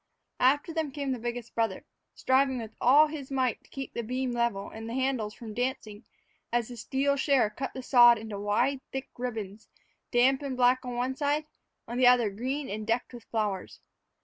After them came the biggest brother, striving with all his might to keep the beam level and the handles from dancing as the steel share cut the sod into wide, thick ribbons, damp and black on one side, on the other green and decked with flowers.